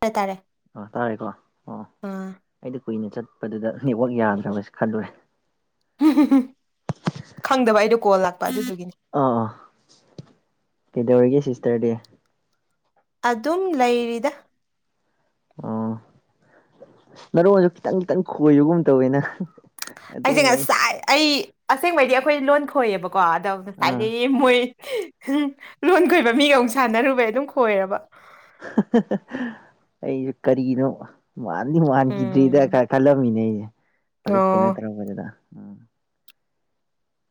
ꯍꯥꯏꯇꯥꯔꯦ ꯑꯥ ꯇꯥꯔꯦꯀꯣ ꯑꯣ ꯑꯩꯗꯤ ꯀꯨꯏꯅ ꯆꯠꯄꯗꯨꯗ ꯅꯦꯠꯋꯥꯛ ꯌꯥꯗ꯭ꯔꯕꯅ ꯈꯟꯂꯨꯔꯦ ꯈꯪꯗꯕ ꯑꯩꯗꯣ ꯀꯣꯜ ꯂꯥꯛꯄ ꯑꯗꯨꯗꯨꯒꯤꯅꯤ ꯑꯥ ꯑꯥ ꯀꯩꯗꯧꯔꯤꯒꯦ ꯁꯤꯁꯇꯔꯗꯤ ꯑꯗꯨꯝ ꯂꯩꯔꯤꯗ ꯑꯣ ꯅꯔꯣꯟꯁꯨ ꯈꯤꯇꯪ ꯈꯤꯇꯪ ꯈꯣꯏꯕꯒꯨꯝ ꯇꯧꯋꯤꯅ ꯑꯩꯁꯦ ꯉꯁꯥꯏ ꯑꯩ ꯑꯁꯦꯡꯕꯩꯗꯤ ꯑꯩꯈꯣꯏ ꯂꯣꯟ ꯈꯣꯏꯌꯦꯕꯀꯣ ꯑꯗꯣ ꯑꯥ ꯉꯁꯥꯏꯗꯒꯤ ꯃꯣꯏ ꯎꯝ ꯂꯣꯟ ꯈꯣꯏꯕ ꯃꯤꯒ ꯁꯥꯟꯅꯔꯨꯕꯩ ꯑꯗꯨꯝ ꯈꯣꯏꯔꯕ ꯑꯩꯁꯨ ꯀꯔꯤꯅꯣ ꯃꯥꯟꯗꯤ ꯃꯥꯟꯈꯤꯗ꯭ꯔꯤꯗ ꯎꯝ ꯈꯜꯂꯝꯃꯤꯅꯦ ꯑꯩꯁꯦ ꯍꯧꯖꯤꯛ ꯀꯩꯅꯣ ꯑꯣ ꯇꯧꯔꯝꯕꯗꯨꯗ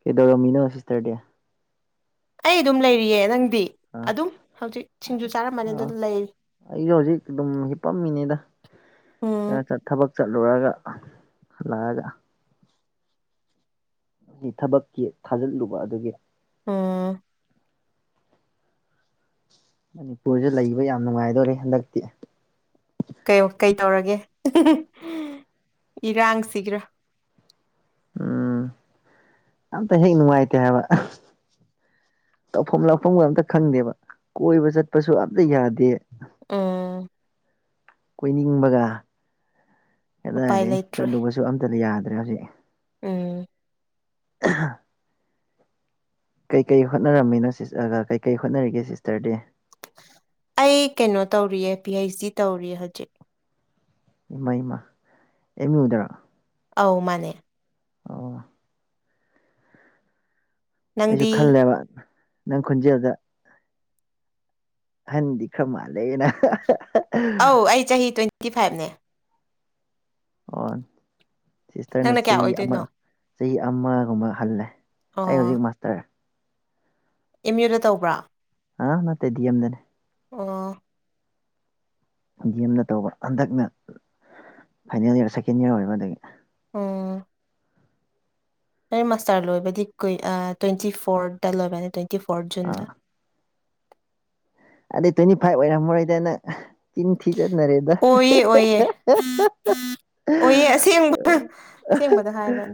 ꯀꯩꯗꯧꯔꯝꯃꯤꯅꯣ ꯁꯤꯁꯇꯔꯗꯤ ꯑꯩ ꯑꯗꯨꯝ ꯂꯩꯔꯤꯌꯦ ꯅꯪꯗꯤ ꯑꯥ ꯑꯗꯨꯝ ꯍꯧꯖꯤꯛ ꯁꯤꯡꯖꯨ ꯆꯥꯔꯝꯕꯅꯤ ꯑꯥ ꯑꯗꯨꯝ ꯂꯩꯔꯤ ꯑꯩꯁꯨ ꯍꯧꯖꯤꯛ ꯑꯗꯨꯝ ꯍꯤꯞꯄꯝꯃꯤꯅꯤꯗ ꯎꯝ ꯊꯕꯛ ꯆꯠꯂꯨꯔꯒ ꯍꯜꯂꯛꯑꯒ ꯊꯕꯛꯀꯤ ꯊꯥꯖꯤꯜꯂꯨꯕ ꯑꯗꯨꯒꯤꯅꯤ ꯎꯝ ꯃꯅꯤꯄꯨꯔꯁꯦ ꯂꯩꯕ ꯌꯥꯝ ꯅꯨꯡꯉꯥꯏꯗꯨꯔꯤ ꯍꯟꯗꯛꯇꯤ ꯀꯩ ꯀꯩꯗꯧꯔꯒꯦ ꯏꯔꯥꯡꯁꯤꯒꯤꯔꯣ ꯎꯝ ꯑꯝꯇ ꯍꯦꯛ ꯅꯨꯡꯉꯥꯏꯇꯦ ꯍꯥꯏꯕ ꯇꯧꯐꯝ ꯂꯥꯛꯐꯝꯒ ꯑꯝꯇ ꯈꯪꯗꯦꯕ ꯀꯣꯏꯕ ꯆꯠꯄꯁꯨ ꯑꯝꯇ ꯌꯥꯗꯦ ꯎꯝ ꯀꯣꯏꯅꯤꯡꯕꯒ ꯎꯄꯥꯏ ꯀꯗꯥꯢꯗꯒꯤ ꯂꯩꯇ꯭ꯔꯦ ꯆꯠꯂꯨꯕꯁꯨ ꯑꯝꯇ ꯌꯥꯗ꯭ꯔꯦ ꯍꯧꯖꯤꯛ ꯎꯝ ꯀꯩ ꯀꯩ ꯍꯣꯠꯅꯔꯝꯃꯤꯅꯣ ꯁꯤ ꯀꯩꯀꯩ ꯍꯣꯠꯅꯔꯤꯒꯦ ꯁꯤꯁꯇꯔꯗꯤ ꯑꯩ ꯀꯩꯅꯣ ꯇꯧꯔꯤꯌꯦ ꯄꯤ ꯍꯩꯆ ꯗꯤ ꯇꯧꯔꯤꯌꯦ ꯍꯧꯖꯤꯛ ꯏꯃꯥ ꯏꯃꯥ ꯑꯦꯝ ꯌꯨ ꯗꯔꯣ ꯑꯧ ꯃꯥꯅꯦ ꯑꯣ ꯑꯩꯁꯨ ꯅꯪꯗꯤ ꯈꯜꯂꯦꯕ ꯅꯪ ꯈꯨꯟꯖꯦꯜꯗ ꯑꯍꯟꯗꯤ ꯈꯔ ꯃꯥꯥꯜꯂꯦꯅ ꯑꯧ ꯑꯩ ꯆꯍꯤ ꯇ꯭ꯋꯦꯟꯇꯤ ꯐꯥꯏꯚꯅꯦ ꯑꯣ ꯁꯤꯁꯇꯔꯅ ꯅꯪꯅ ꯀꯌꯥ ꯆꯍꯤ ꯑꯃ ꯑꯣꯏꯗꯣꯏꯅꯣ ꯆꯍꯤ ꯑꯃꯒꯨꯝꯕ ꯍꯜꯂꯦ ꯑꯣ ꯑꯩ ꯍꯧꯖꯤꯛ ꯃꯥꯁꯇꯔ ꯑꯦꯝ ꯌꯨꯗ ꯇꯧꯕ꯭ꯔꯣ ꯑꯥ ꯅꯠꯇꯦ ꯗꯤ ꯑꯦꯝ ꯗꯅꯦ ꯑꯣ ꯗꯤ ꯑꯦꯝꯅ ꯇꯧꯕ ꯍꯟꯗꯛꯅ ꯐꯥꯏꯅꯦꯜ ꯏꯔ ꯁꯦꯀꯦꯟ ꯏꯔ ꯑꯣꯏꯕ ꯑꯗꯒꯤ ꯑꯣ ꯑꯩ ꯃꯥꯁꯇꯥꯔ ꯂꯣꯏꯕꯗꯤ ꯀꯨꯏ ꯑꯥ ꯇ꯭ꯋꯦꯟꯇꯤ ꯐꯣꯔꯠꯇ ꯂꯣꯏꯕꯅꯤ ꯇ꯭ꯋꯦꯟꯇꯤ ꯐꯣꯔꯠ ꯖꯨꯟꯗ ꯑꯥ ꯑꯗꯩ ꯇ꯭ꯋꯦꯟꯇꯤ ꯐꯥꯏꯚ ꯑꯣꯏꯔꯝꯃꯔꯣꯏꯗꯅ ꯆꯤꯟ ꯊꯤ ꯖꯟꯅꯔꯦ ꯑꯣꯏꯌꯦ ꯑꯣꯏꯌꯦ ꯑꯣꯏꯌꯦ ꯑꯁꯦꯡꯕ ꯑꯁꯦꯡꯕꯗ ꯍꯥꯏꯕꯟ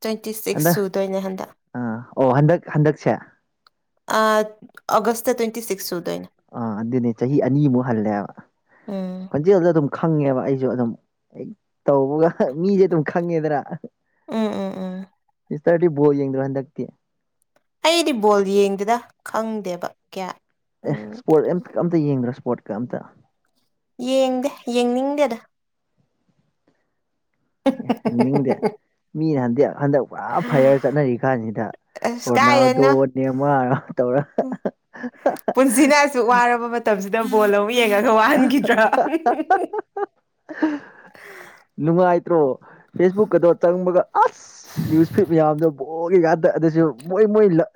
ꯇ꯭ꯋꯦꯟꯇꯤ ꯁꯤꯛꯁ ꯍꯟꯗꯛ ꯁꯨꯗꯣꯏꯅꯦ ꯍꯟꯗꯛ ꯑꯥ ꯑꯣ ꯍꯟꯗꯛ ꯍꯟꯗꯛꯁꯦ ꯑꯥ ꯑꯣꯒꯁꯇ ꯇ꯭ꯋꯦꯟꯇꯤ ꯁꯤꯛꯁ ꯁꯗꯣꯏꯅꯤ ꯑꯥ ꯑꯗꯨꯅꯦ ꯆꯍꯤ ꯑꯅꯤꯃꯨꯛ ꯍꯜꯂꯦꯕ ꯎꯝ ꯈꯣꯟꯖꯦꯜꯗ ꯑꯗꯨꯝ ꯈꯪꯉꯦꯕ ꯑꯩꯁꯨ ꯑꯗꯨꯝ ꯍꯦꯛ ꯇꯧꯕꯒ ꯃꯤꯗꯤ ꯑꯗꯨꯝ ꯈꯪꯉꯦꯗꯅ ꯎꯝ ꯎꯝ ꯎꯝ ꯏꯁꯇꯔꯗꯤ ꯕꯣꯜ ꯌꯦꯡꯗ꯭ꯔꯣ ꯍꯟꯗꯛꯇꯤ ꯑꯩꯗꯤ ꯕꯣꯜ ꯌꯦꯡꯗꯦꯗ ꯈꯪꯗꯦꯕ ꯀꯌꯥ ꯑꯦ ꯎꯝ ꯏꯁꯄꯣꯔꯠ ꯑꯦꯝ ꯑꯃꯝꯇ ꯌꯦꯡꯗ꯭ꯔꯣ ꯏꯁꯄꯣꯔꯠꯀ ꯑꯝꯇ ꯌꯦꯡꯗꯦ ꯌꯦꯡꯅꯤꯡꯗꯦꯗ ꯑꯦ ꯌꯦꯡꯅꯤꯡꯗꯦ ꯃꯤꯅ ꯍꯟꯗꯦ ꯍꯟꯗꯛ ꯄꯨꯔꯥ ꯐꯌꯥꯔ ꯆꯠꯅꯔꯤ ꯀꯥꯟꯁꯤꯗ ꯑꯁ ꯔꯣꯅꯥꯜꯗꯣ ꯀꯥꯏꯗꯩꯅꯣ ꯅꯦꯝꯃꯔ ꯇꯧꯔ ꯄꯨꯟꯁꯤꯅ ꯑꯁꯨꯛ ꯋꯥꯔꯕ ꯃꯇꯝꯁꯤꯗ ꯕꯣꯜ ꯑꯃꯨꯛ ꯌꯦꯡꯉꯒ ꯋꯥꯍꯟꯈꯤꯗ꯭ꯔꯥ ꯅꯨꯡꯉꯥꯏꯇ꯭ꯔꯣ ꯐꯦꯁꯕꯨꯛ ꯑꯗꯣ ꯆꯪꯕꯒ ꯑꯁ ꯅ꯭ꯌꯨꯁ ꯐꯤꯠ ꯃꯌꯥꯝꯗꯣ ꯕꯣꯒꯤ ꯉꯇ ꯑꯗꯨꯁꯨ ꯃꯣꯏ ꯃꯣꯏ ꯂꯛ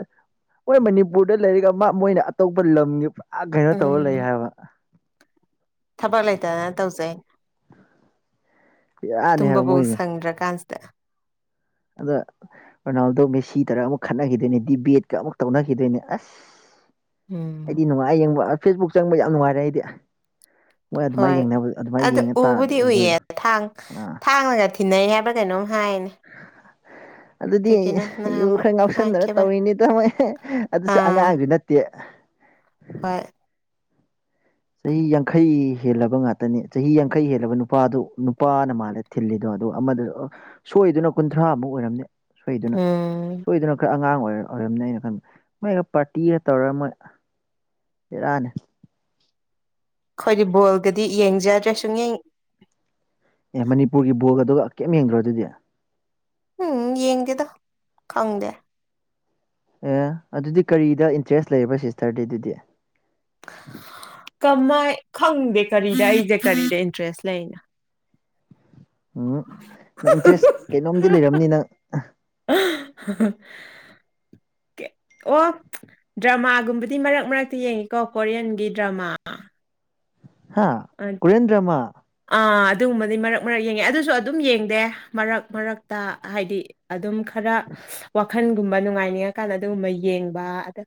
ꯃꯣꯏ ꯃꯅꯤꯄꯨꯔꯗ ꯂꯩꯔꯤꯕꯔꯤꯒ ꯃꯥ ꯃꯣꯏꯅ ꯑꯇꯣꯞꯄ ꯂꯝꯒꯤ ꯄꯨꯔꯥ ꯀꯩꯅꯣ ꯇꯧꯔ ꯂꯩ ꯎꯝ ꯍꯥꯏꯕ ꯊꯕꯛ ꯂꯩꯇꯗꯅ ꯇꯧꯖꯩ ꯕꯦꯔꯥꯅꯤ ꯍꯥꯏꯕ ꯇꯨꯝꯕꯥꯕꯎ ꯃꯣꯏꯁꯦ ꯁꯪꯗ꯭ꯔꯀꯥꯟꯁꯤꯗ ꯑꯗ ꯔꯣꯅꯥꯜꯗꯣ ꯃꯦꯁꯤ ꯇꯔꯥ ꯑꯃꯨꯛ ꯈꯠꯅꯈꯤꯗꯣꯏꯅꯦ ꯗꯤꯕꯦꯠꯀ ꯑꯃꯨꯛ ꯇꯧꯅꯈꯤꯗꯣꯏꯅꯦ ꯑꯁ ꯎꯝ ꯑꯩꯗꯤ ꯅꯨꯡꯉꯥꯏ ꯌꯦꯡꯕ ꯐꯦꯁꯕꯨꯛ ꯆꯪꯕ ꯌꯥꯝ ꯅꯨꯡꯉꯥꯏꯔꯦ ꯑꯩꯗꯤ ꯃꯣꯏ ꯑꯗꯨꯃꯥꯏꯅ ꯍꯣꯏ ꯌꯦꯡꯅꯕ ꯑꯗꯨꯃꯥꯏꯅ ꯑꯗꯨ ꯌꯦꯡꯉ ꯇꯥꯔꯗꯤ ꯎꯕꯨꯗꯤ ꯎꯏꯌꯦ ꯎꯕꯗ ꯊꯥꯡ ꯑꯥ ꯊꯥꯡꯅꯥꯒꯗꯤ ꯊꯤꯟꯅꯩ ꯍꯥꯏꯕ꯭ꯔꯥ ꯀꯩꯅꯣꯝ ꯍꯥꯏꯅꯤ ꯑꯗꯨꯗꯤ ꯌꯨ ꯅꯍꯥꯟꯃꯨꯛ ꯈꯔ ꯉꯥꯎꯁꯟꯗꯅ ꯍꯥꯏꯈꯤꯕ ꯇꯧꯔꯤꯅꯤ ꯇꯥꯃꯣꯏ ꯑꯗꯨꯁꯨ ꯑꯥ ꯑꯉꯥꯡꯗꯨ ꯅꯠ ꯇꯦ ꯍꯣꯏ ꯆꯍꯤ ꯌꯥꯡꯈꯩ ꯍꯦꯜꯂꯕ ꯉꯥꯛꯇꯅꯤ ꯆꯍꯤ ꯌꯥꯡꯈꯩ ꯍꯦꯜꯂꯕ ꯅꯨꯄꯥꯗꯨ ꯅꯨꯄꯥꯅ ꯃꯥꯜꯂꯦ ꯊꯤꯜꯂꯤꯗꯣ ꯑꯗꯨꯒ ꯑꯃꯗ ꯁꯣꯏꯗꯨꯅ ꯀꯨꯟꯊ꯭ꯔꯥꯃꯨꯛ ꯑꯣꯏꯔꯝꯅꯦ ꯁꯣꯏꯗꯅ ꯎꯝ ꯁꯣꯏꯗꯅ ꯈꯔ ꯑꯉꯥꯡ ꯑꯣꯏꯔ ꯑꯣꯏꯔꯝꯅꯦ ꯑꯩꯅ ꯈꯟꯕ ꯃꯣꯏꯗꯨ ꯄꯥꯔꯇꯤꯒ ꯇꯧꯔꯒ ꯃꯣꯏ ꯕꯦꯔꯥꯅꯤ ꯑꯩꯈꯣꯏꯗꯤ ꯕꯣꯜꯒꯗꯤ ꯌꯦꯡꯖꯗ꯭ꯔꯦ ꯁꯨꯡꯌꯦꯡ ꯑꯦ ꯃꯅꯤꯄꯨꯔꯒꯤ ꯕꯣꯂꯒ ꯑꯗꯨꯒ ꯀꯩꯝ ꯌꯦꯡꯗ꯭ꯔꯣ ꯑꯗꯨꯗꯤ ꯎꯝ ꯌꯦꯡꯗꯦꯗ ꯈꯪꯗꯦ ꯑꯦ ꯑꯗꯨꯗꯤ ꯀꯔꯤꯗ ꯏꯟꯇꯔꯦꯁ ꯂꯩꯔꯕ ꯁꯤꯁꯇꯔꯗꯤ ꯑꯗꯨꯗꯤ ꯀꯃꯥꯏ ꯈꯪꯗꯦ ꯀꯔꯤꯗ ꯑꯩꯁꯦ ꯀꯔꯤꯗ ꯏꯟꯇꯔꯦꯁ ꯂꯩꯅ ꯎꯝ ꯅꯪ ꯏꯟꯇꯔꯦꯁ ꯀꯩꯅꯣꯝꯗꯤ ꯂꯩꯔꯝꯅꯤ ꯅꯪ [unintelligible] ꯑꯣ ꯗ꯭ꯔꯃꯥꯒꯨꯝꯕꯗꯤ ꯃꯔꯛ ꯃꯔꯛꯇ ꯌꯦꯡꯉꯤꯀꯣ ꯀꯣꯔꯤꯌꯟꯒꯤ ꯗ꯭ꯔꯃꯥ ꯍꯥ ꯀꯨꯔꯦꯟꯗ꯭ꯔꯃ ꯑꯥ ꯑꯗꯨꯒꯨꯝꯕꯗꯤ ꯃꯔꯛ ꯃꯔꯛ ꯌꯦꯡꯉꯦ ꯑꯗꯨꯁꯨ ꯑꯗꯨꯝ ꯌꯦꯡꯗꯦ ꯃꯔꯛ ꯃꯔꯛꯇ ꯍꯥꯏꯗꯤ ꯑꯗꯨꯝ ꯈꯔ ꯋꯥꯈꯜꯒꯨꯝꯕ ꯅꯨꯡꯉꯥꯏꯅꯤꯡꯉꯀꯥꯟꯗ ꯑꯗꯨꯒꯨꯝꯕ ꯌꯦꯡꯕ ꯑꯗꯥꯥ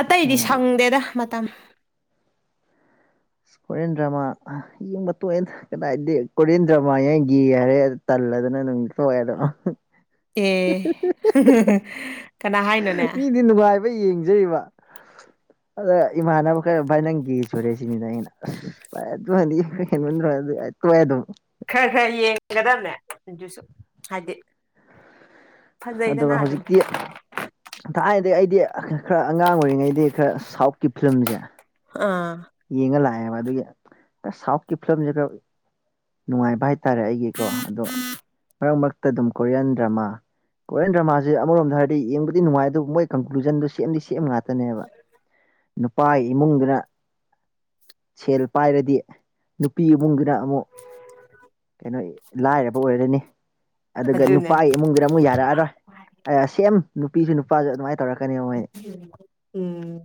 ꯑꯇꯩꯗꯤ ꯑꯥ ꯁꯪꯗꯦꯗ ꯃꯇꯝ ꯍꯣꯔꯦꯟ ꯗ꯭ꯔꯃꯥ ꯌꯦꯡꯕ ꯇꯣꯏꯅ ꯀꯩꯗꯥꯏꯗꯩ ꯀꯨꯔꯤꯌꯟ ꯗꯔ꯭ꯃꯥ ꯌꯦꯉ ꯒꯦ ꯍꯥꯏꯔꯦ ꯇꯜꯂꯗꯅ ꯑꯗꯨꯝ ꯊꯣꯛꯑꯦꯗꯣ ꯑꯦ ꯀꯅꯥ ꯍꯥꯏꯅꯣꯅꯦ ꯃꯤꯗꯤ ꯅꯨꯡꯉꯥꯏꯕ ꯌꯦꯡꯖꯔꯤꯕ ꯑꯗ ꯏꯃꯥꯟꯅꯕ ꯈꯔ ꯚꯥꯏ ꯅꯪ ꯏ ꯁꯣꯏꯔꯦꯁꯤꯅꯤꯗ ꯑꯩꯅꯥ ꯑꯁ [unintelligible] ꯇꯣꯛꯑꯦ ꯑꯗꯨꯝ ꯈꯔ ꯈꯔ ꯌꯦꯡꯒꯗꯝꯅꯦ ꯑꯗꯨꯁꯨ ꯍꯥꯏꯗꯤ ꯐꯖꯩꯗꯅ ꯑꯗꯨꯒ ꯑꯗꯨꯝ ꯍꯧꯖꯤꯛꯇꯤ ꯊꯥꯏꯅꯗꯩ ꯑꯩꯗꯤ ꯈꯔ ꯑꯉꯥꯡ ꯑꯣꯏꯔꯤꯉꯩꯗꯤ ꯈꯔ ꯁꯥꯎꯠꯀꯤ ꯐꯤꯂꯝꯁꯦ ꯑꯥ ꯌꯦꯡꯉ ꯂꯥꯛꯑꯦꯕ ꯑꯗꯨꯒꯤ ꯁꯥꯎꯠꯀꯤ ꯐꯤꯂꯝꯁꯦ ꯈꯔ ꯅꯨꯡꯉꯥꯏꯕ ꯍꯥꯏꯇꯥꯔꯦ ꯑꯩꯒꯤꯀꯣ ꯑꯗꯣ ꯃꯔꯛ ꯃꯔꯛꯇ ꯑꯗꯨꯝ ꯀꯣꯔꯤꯌꯥꯟ ꯗ꯭ꯔꯃꯥ ꯀꯣꯌꯟ ꯗ꯭ꯔꯃꯥꯥꯁꯦ ꯑꯃꯔꯣꯝꯗ ꯍꯥꯏꯗꯤꯡꯕꯗꯤ ꯅꯨꯡꯉꯥꯏ ꯑꯗꯨꯕꯨ ꯃꯣꯏ ꯀꯟꯀ꯭ꯂꯨꯖꯟꯗꯨ ꯁꯦꯝꯗꯤ ꯁꯦꯝꯃ ꯉꯥꯛꯇꯦ ꯅꯦꯕ ꯅꯨꯄꯥ ꯏꯃꯨꯡꯗꯨꯅ ꯁꯦꯜ ꯄꯥꯏꯔꯗꯤ ꯅꯨꯄꯤ ꯏꯕꯨꯡꯗꯨꯅ ꯑꯃꯨꯛ ꯀꯩꯅꯣ ꯂꯥꯏꯔꯕ ꯑꯣꯏꯔꯅꯤ ꯑꯗꯨꯒ ꯑꯗꯨꯅꯦ ꯅꯨꯄꯥꯒꯤ ꯏꯃꯨꯡꯗꯨꯗ ꯑꯃꯨ ꯌꯥꯔꯛꯑꯔꯣꯏ ꯁꯦꯝ ꯅꯨꯄꯤꯁꯨ ꯅꯨꯄꯥꯁꯨ ꯑꯗꯨꯃꯥꯏꯅ ꯇꯧꯔꯛꯀꯅꯦ ꯎꯝ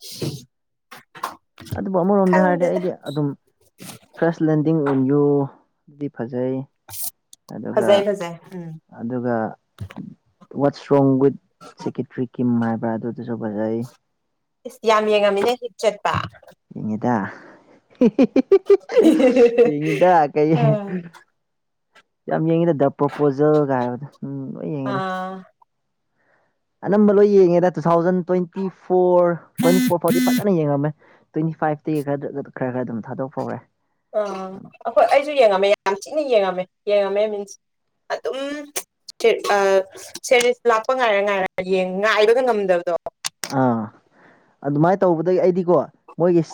[unintelligible] ꯑꯗꯨꯕꯨ ꯑꯃꯔꯣꯝꯗ ꯍꯥꯏꯔꯗꯤ ꯈꯪꯗꯦꯗ ꯑꯩꯗꯤ ꯑꯗꯨꯝ ꯐ꯭ꯔꯦꯁ ꯂꯦꯟꯗꯤꯡ ꯑꯣꯟꯌꯨ ꯗꯤ ꯐꯖꯩ ꯑꯁ ꯑꯗꯨꯒ ꯐꯖꯩ ꯐꯖꯩ ꯎꯝ ꯑꯗꯨꯒ ꯋꯥꯠꯁ ꯔꯣꯡ ꯋꯤꯠ ꯁꯦꯀ꯭ꯌꯨꯇ꯭ꯔꯤ ꯀꯤꯝ ꯍꯥꯏꯕ꯭ꯔꯥ ꯑꯗꯨ ꯑꯗꯨꯁꯨ ꯐꯖꯩ ꯏꯁ ꯌꯥꯝ ꯌꯦꯡ ꯉꯥꯝꯃꯤꯅꯦ ꯍꯠ ꯆꯠꯄ ꯌꯦꯉꯦꯗ ꯌꯦꯉꯤꯗ ꯀꯩ ꯑꯥ ꯌꯥꯝ ꯌꯦꯡꯉꯤꯗ ꯗ ꯄ꯭ꯔꯣꯄꯣꯖꯦꯜꯒ ꯍꯥꯏꯕꯗꯣ ꯎꯝ ꯂꯣꯏ ꯌꯦꯡꯉꯤꯗ ꯑꯥ ꯑꯅꯝꯕ ꯂꯣꯏ ꯌꯦꯡꯉꯦꯗ two thousand twenty four twenty four ꯐꯥꯎꯗꯤ ꯐꯖꯅ ꯌꯦꯡꯉꯝꯃꯦ ꯇ꯭ꯋꯦꯟꯇꯤ ꯐꯥꯏꯞꯇꯒꯤ ꯈꯔ ꯈꯔ ꯈꯔ ꯑꯗꯨꯝ ꯊꯥꯗꯣꯛꯍꯧꯔꯦ ꯑꯣ ꯑꯩꯈꯣꯏ ꯑꯩꯁꯨ ꯌꯦꯡꯉꯝꯃꯦ ꯌꯥꯝ ꯊꯤꯅ ꯌꯦꯡꯉꯝꯃꯦ ꯌꯦꯡꯉꯝꯃꯦ ꯃꯤꯟꯁ ꯑꯗꯨꯝ ꯁꯦ ꯑꯥ ꯁꯦꯔꯤꯁ ꯂꯥꯛꯄ ꯉꯥꯏꯔ ꯉꯥꯏꯔ ꯌꯦꯡ ꯉꯥꯏꯕꯒ ꯉꯝꯗꯕꯗꯣ ꯑꯥ ꯑꯗꯨꯃꯥꯏꯅ ꯇꯧꯕꯗꯒꯤ ꯑꯩꯗꯤꯀꯣ ꯃꯣꯏꯒꯤ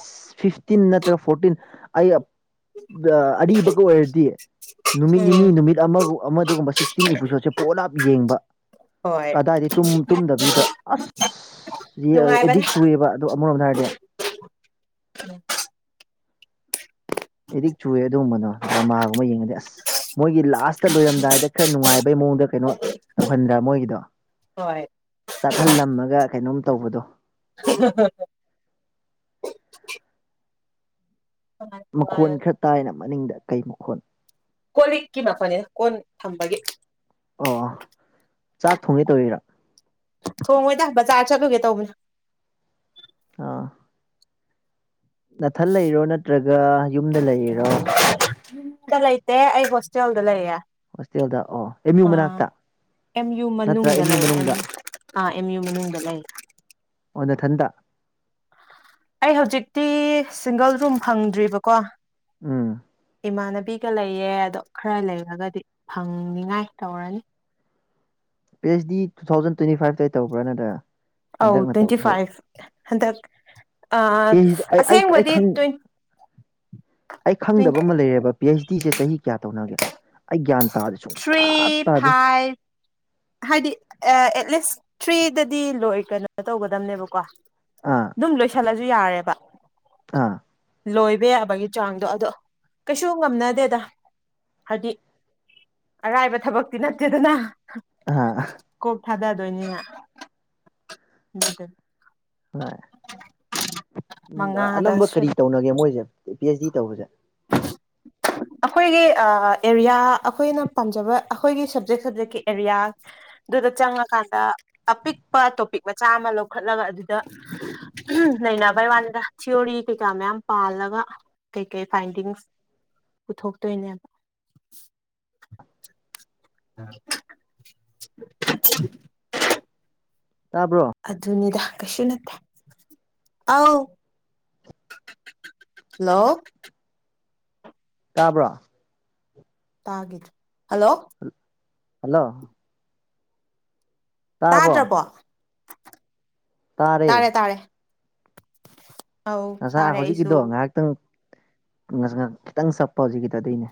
ꯐꯤꯐꯇꯤꯟ ꯅꯠꯇ꯭ꯔꯒ ꯐꯣꯔꯇꯤꯟ ꯑꯩ ꯑꯔꯤꯕꯒ ꯑꯣꯏꯔꯗꯤ ꯅꯨꯃꯤꯠ ꯎꯝ ꯅꯤꯅꯤ ꯅꯨꯃꯤꯠ ꯑꯃꯒ ꯑꯃ ꯑꯗꯨꯒꯒꯨꯝꯕ ꯁꯤꯛꯁꯇꯤꯟ ꯏꯄꯤꯁꯣꯠꯁꯦ ꯄꯣꯠꯂꯥꯞ ꯌꯦꯡꯕ ꯍꯣꯏ ꯀꯗꯥꯏꯗꯩ ꯇꯨꯝ ꯇꯨꯝꯗꯕꯤꯗ ꯑꯁ ꯅꯨꯡꯉꯥꯏꯕꯅꯦ ꯑꯦꯗꯤꯛ ꯆꯨꯏꯦꯕ ꯑ ꯑꯗꯨ ꯑꯃꯔꯣꯝꯗ ꯍꯥꯏꯔꯗꯤ ꯑꯦꯗꯤꯛ ꯆꯨꯑꯦ ꯑꯗꯨꯒꯨꯝꯕꯅꯣ ꯗ꯭ꯔꯃꯥꯒꯨꯝꯕ ꯌꯦꯡꯉꯗꯤ ꯑꯁ ꯃꯣꯏꯒꯤ ꯂꯥꯁꯇ ꯂꯣꯏꯔꯝꯗꯥꯏꯗ ꯈꯔ ꯅꯨꯡꯉꯥꯏꯕꯩ ꯃꯑꯣꯡꯗ ꯀꯩꯅꯣ ꯇꯧꯍꯟꯗ꯭ꯔꯥ ꯃꯣꯏꯒꯤꯗꯣ ꯍꯣꯏ ꯆꯥꯛꯍꯜꯂꯝꯃꯒ ꯀꯩꯅꯣꯝ ꯇꯧꯕꯗꯣ [unintelligible] ꯃꯈꯣꯟ ꯈꯔ ꯇꯥꯏꯅ ꯃꯅꯤꯡꯗ ꯀꯩ ꯃꯈꯣꯟ ꯀꯣꯜ ꯂꯤꯛꯀꯤ ꯃꯈꯣꯟꯅꯤꯗ ꯀꯣꯟ ꯊꯝꯕꯒꯤ ꯑꯣ ꯆꯥꯛ ꯊꯣꯡꯒꯦ ꯇꯧꯔꯤꯔꯣ ꯊꯣꯡꯉꯣꯏꯗ ꯕꯖꯥꯔ ꯆꯠꯂꯨꯒꯦ ꯇꯧꯕꯅꯦ ꯑꯥ ꯅꯊꯟ ꯂꯩꯔꯣ ꯅꯠꯇ꯭ꯔꯒ ꯌꯨꯝꯗ ꯂꯩꯔꯤꯔꯣ ꯇꯦ ꯑꯩ ꯍꯣꯁꯇꯦꯜꯗ ꯂꯩꯌꯦ ꯍꯣꯁꯇꯦꯜꯗ ꯑꯣ ꯑꯦꯝ ꯌꯨ ꯑꯥ ꯃꯅꯥꯛꯇ ꯑꯦꯝ ꯌꯨ ꯅꯠꯇ꯭ꯔ ꯃꯅꯨꯡꯗ ꯑꯦꯝ ꯌꯨ ꯂꯩꯌꯦ ꯃꯅꯨꯡꯗ [inaudible] ꯑꯥ ꯑꯦꯝ ꯌꯨ ꯃꯅꯨꯡꯗ ꯂꯩ ꯑꯣ ꯅꯊꯟꯗ ꯑꯩ ꯍꯧꯖꯤꯛꯇꯤ ꯁꯤꯡꯒꯜ ꯔꯨꯝ ꯐꯪꯗ꯭ꯔꯤꯕꯀꯣ ꯎꯝ ꯏꯃꯥꯟꯅꯕꯤꯒ ꯂꯩꯌꯦ ꯑꯗꯣ ꯈꯔ ꯂꯩꯔꯒꯗꯤ ꯐꯪꯅꯤꯉꯥꯏ ꯇꯧꯔꯅꯤ P H D two thousand twenty ꯐꯥꯏꯚꯇꯩ ꯇꯧꯕ꯭ꯔꯥ ꯅꯠꯇ꯭ꯔꯒ ꯑꯧ ꯇ꯭ꯋꯦꯟꯇꯤ ꯐꯥꯏꯚ ꯍꯟꯗꯛ ꯑꯥ ꯄꯤ ꯑꯩꯆ ꯑꯩ ꯑꯩ ꯑꯩ ꯑꯁꯦꯡꯕꯗꯤ ꯈꯪ ꯇ꯭ꯋꯦꯟ ꯑꯩ ꯇ꯭ꯋꯦꯟ ꯈꯪꯗꯕ ꯑꯃ ꯂꯩꯔꯦꯕ ꯄꯤ ꯑꯩꯆ ꯗꯤꯁꯦ ꯆꯍꯤ ꯀꯌꯥ ꯇꯧꯅꯒꯦ ꯑꯩ ꯒ꯭ꯌꯥꯟ ꯇꯥꯗꯦ ꯊ꯭ꯔꯤ ꯁꯨꯡꯇꯥ ꯇꯥꯗꯦ ꯐꯥꯏꯚ ꯍꯥꯏꯗꯤ ꯑꯦ ꯑꯦꯠꯂꯤꯁ ꯊ꯭ꯔꯤꯗꯗꯤ ꯂꯣꯏ ꯀꯩꯅꯣ ꯇꯧꯒꯗꯝꯅꯦꯕꯀꯣ ꯑꯥ ꯗꯨꯝ ꯂꯣꯏꯁꯤꯜꯂꯖꯨ ꯌꯥꯔꯦꯕ ꯑꯥ ꯂꯣꯏꯕ ꯌꯥꯕꯒꯤ ꯆꯥꯡꯗꯣ ꯑꯗꯣ ꯀꯩꯁꯨ ꯉꯝꯅꯗꯦꯗ ꯍꯥꯏꯗꯤ ꯑꯔꯥꯏꯕ ꯊꯕꯛꯇꯤ ꯅꯠꯇꯦꯗꯅ ꯑꯥ ꯀꯣꯛ ꯊꯥꯗꯗꯣꯏꯅꯤꯅ [unintelligible] ꯍꯣꯏ ꯎꯝ ꯑꯅꯝꯕ ꯃꯉꯥꯗꯁꯨ ꯀꯔꯤ ꯇꯧꯅꯒꯦ ꯃꯣꯏꯖꯦ ꯄꯤ ꯑꯩꯆ ꯗꯤ ꯇꯧꯕꯁꯦ ꯑꯈꯣꯏꯒꯤ ꯑꯥ ꯑꯦꯔꯤꯌꯥ ꯑꯈꯣꯏꯅ ꯄꯥꯝꯖꯕ ꯑꯈꯣꯏꯒꯤ ꯁꯕꯖꯦꯛ ꯁꯕꯖꯦꯛꯀꯤ ꯑꯦꯔꯤꯌꯥ ꯑꯗꯨꯗ ꯆꯪꯉꯀꯥꯟꯗ ꯑꯄꯤꯛꯄ ꯇꯣꯄꯤꯛ ꯃꯆꯥ ꯑꯃ ꯂꯧꯈꯠꯂꯒ ꯑꯗꯨꯗ ꯅꯩꯅꯕꯩ ꯋꯥꯅꯤꯗ ꯊꯤꯑꯣꯔꯤ ꯀꯩꯀꯥ ꯃꯌꯥꯝ ꯄꯥꯜꯂꯒ ꯀꯩ ꯀꯩ ꯐꯥꯏꯟꯗꯤꯡꯁ ꯄꯨꯊꯣꯛꯇꯣꯏꯅꯦꯕ [unintelligible] ꯇꯥꯕ꯭ꯔꯣ ꯑꯗꯨꯅꯤꯗ ꯀꯩꯁꯨ ꯅꯠꯇꯦ ꯑꯥꯎ ꯂꯣ ꯇꯥꯕ꯭ꯔꯣ ꯇꯒꯤꯗ꯭ꯔꯦ ꯍꯂꯣ ꯍꯜꯂꯣ ꯇꯥꯔꯕꯣ ꯇꯥꯗ꯭ꯔꯕꯣ ꯇꯥꯔꯦ ꯇꯥꯔꯦ ꯑꯧ ꯉꯁꯥ ꯇꯥꯔꯦ ꯑꯩꯁꯨ ꯍꯧꯖꯤꯛꯀꯤꯗꯣ ꯉꯥꯏꯍꯥꯛꯇꯪ ꯉ ꯈꯤꯇꯪ ꯆꯠꯄ ꯍꯧꯖꯤꯛꯀꯤꯗꯣ ꯑꯗꯨꯏꯅꯦ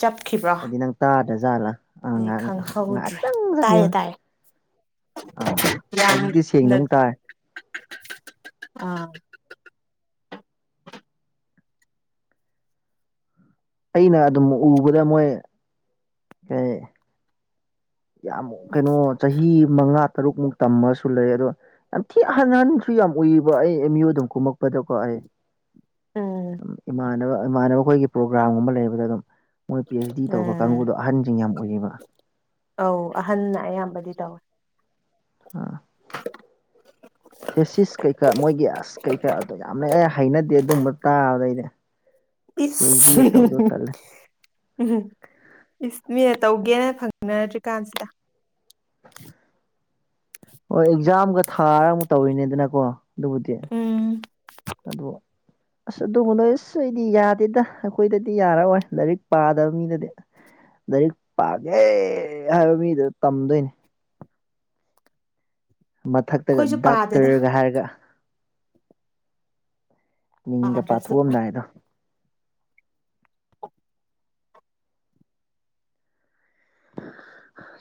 ꯆꯞꯈꯤꯕ꯭ꯔꯥ ꯇꯥꯗꯖꯥꯠꯂ ꯑ ꯉꯍ ꯈꯪꯍꯧꯗ꯭ꯔꯦ ꯉꯥꯏꯍꯥꯛꯇꯪ ꯇꯥꯏꯌꯦ [unintelligible] ꯇꯥꯏꯌꯦ ꯑꯥ ꯍꯧꯖꯤꯛꯇꯤ ꯁꯦꯡꯅ ꯌꯥꯝꯅ ꯑꯃꯨꯛ ꯇꯥꯔꯦ ꯑꯥ ꯑꯩꯅ ꯑꯗꯨꯝ ꯎꯕꯗ ꯃꯣꯏ [unintelligible] ꯌꯥꯝ ꯀꯩꯅꯣ ꯆꯍꯤ ꯃꯉꯥ ꯇꯔꯨꯛꯃꯨꯛ ꯇꯝꯃꯁꯨ ꯂꯩ ꯑꯗꯣ ꯌꯥꯝ ꯊꯤ ꯑꯥꯍꯟ ꯍꯟꯁꯨ ꯌꯥꯝ ꯎꯏꯔꯤꯕ ꯑꯩ ꯑꯦꯝꯌꯨ ꯑꯗꯨꯝ ꯀꯨꯝꯃꯛ ꯄꯥꯗꯀꯣ ꯑꯩ ꯎꯝ ꯏꯃꯥꯟꯅꯕ ꯏꯃꯥꯟꯅꯕ ꯑꯩꯈꯣꯏꯒꯤ ꯄ꯭ꯔꯣꯒ꯭ꯔꯥꯝꯒꯨꯝꯕ ꯂꯩꯕꯗ ꯑꯗꯨꯝ ꯃꯣꯏ ꯄꯤ ꯑꯩꯆ ꯗꯤ ꯇꯧꯕ ꯎꯝ ꯀꯥꯡꯕꯨꯗꯣ ꯑꯍꯟꯁꯤꯡ ꯌꯥꯝ ꯑꯣꯏꯌꯦꯕ ꯑꯧ ꯑꯍꯟꯅ ꯑꯌꯥꯝꯕꯗꯤ ꯇꯧꯋꯦ ꯑꯥ ꯊꯦꯁꯤꯁ ꯀꯩꯀꯥ ꯃꯣꯏꯒꯤ ꯑꯁ ꯀꯩꯀꯥ ꯑꯗꯨ ꯌꯥꯝꯅ ꯍꯩꯅꯗꯦ ꯑꯗꯨꯒꯨꯕ ꯇꯥꯕꯑꯩꯗꯤ ꯏꯁ [unintelligible] ꯎꯝ ꯏꯁ ꯃꯤꯅ ꯇꯧꯒꯦꯅ ꯐꯪꯅꯔꯗ꯭ꯔꯤ ꯀꯥꯟꯁꯤꯗ ꯍꯣꯏ ꯑꯦꯛꯖꯥꯝꯒ ꯊꯥꯔ ꯑꯃꯨꯛ ꯇꯧꯔꯤꯅꯦꯗꯅꯀꯣ ꯑꯗꯨꯕꯨꯗꯤ ꯎꯝ ꯑꯗꯨ ꯑꯁ ꯑꯗꯨꯒꯕꯨ ꯅꯣꯏ ꯑꯁ ꯑꯩꯗꯤ ꯌꯥꯗꯦꯗ ꯑꯩꯈꯣꯏꯗꯗꯤ ꯌꯥꯔꯑꯣꯏ ꯂꯥꯏꯔꯤꯛ ꯄꯥꯗꯕ ꯃꯤꯗꯗꯤ ꯂꯥꯏꯔꯤꯛ ꯄꯥꯒꯦ ꯍꯥꯏꯕ ꯃꯤꯗꯨ ꯇꯝꯗꯣꯏꯅꯤ ꯃꯊꯛꯇꯒ ꯑꯩꯈꯣꯏꯁꯨ ꯄꯥꯗꯦꯗ ꯗꯥꯛꯇꯔꯒ ꯍꯥꯏꯔꯒ ꯃꯤꯡꯒ ꯄꯥꯗ꯭ꯔꯁꯨ ꯄꯥꯊꯣꯛꯑꯝꯗꯥꯏꯗꯣ [inaudible]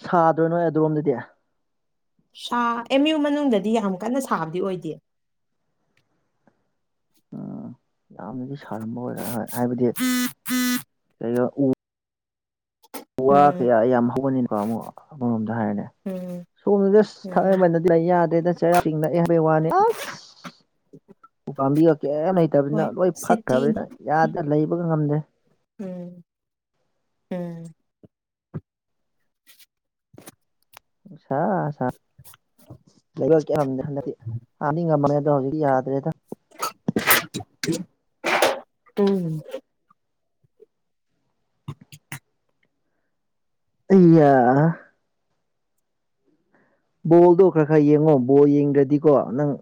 ꯁꯥꯗ꯭ꯔꯣꯏ ꯅꯣꯏ ꯑꯗꯨꯔꯣꯝꯗꯗꯤ ꯁꯥ ꯑꯦꯝ ꯌꯨ ꯃꯅꯨꯡꯗꯗꯤ ꯌꯥꯝ ꯀꯟꯅ ꯁꯥꯕꯗꯤ ꯑꯣꯏꯗꯦ ꯌꯥꯝꯅꯗꯤ ꯁꯥꯔꯝꯕ ꯑꯣꯏꯔ ꯍꯣꯏ ꯍꯥꯏꯕꯗꯤ [unintelligible] ꯋꯥ ꯎꯝ ꯀꯌꯥ ꯌꯥꯝ ꯍꯧꯕꯅꯤꯅꯀꯣ ꯑꯃꯛ ꯑꯃꯔꯣꯝꯗ ꯍꯥꯏꯔꯅꯦ ꯎꯝ ꯁꯣꯝ ꯖꯁ ꯎꯝ ꯈꯠꯅꯕꯅꯥ ꯂꯩ ꯌꯥꯗ꯭ꯔꯦꯗ ꯆꯩꯔꯥꯎ ꯅꯥꯛꯑꯦ ꯍꯥꯏꯕꯩ ꯋꯥꯅꯦ ꯑꯁ ꯎ ꯄꯥꯝꯕꯤꯒꯥ ꯀꯦꯝ ꯂꯩ ꯂꯩꯇꯕꯅꯤꯅ ꯍꯣꯏ ꯂꯣꯏ ꯁꯤꯇꯤꯅꯤ ꯐꯛꯈ꯭ꯔꯕꯅꯤꯅ ꯌꯥꯗꯅ ꯂꯩꯕꯒ ꯉꯝꯗꯦ ꯎꯝ ꯎꯝ ꯁꯥ ꯁꯥ ꯂꯩꯕ ꯀꯌꯥꯝꯗ꯭ꯔꯦ ꯍꯟꯗꯛꯇꯤ ꯍꯥꯟꯗꯤ ꯉꯝꯃꯅꯤ ꯑꯗꯣ ꯍꯧꯖꯤꯇꯤ ꯌꯥꯗ꯭ꯔꯦꯗ ꯎꯝ ꯑꯩꯌꯥ ꯕꯣꯜꯗꯣ ꯈꯔ ꯈꯔ ꯌꯦꯡꯉꯣ ꯕꯣꯜ ꯌꯦꯡꯗ꯭ꯔꯗꯤꯀꯣ ꯅꯪ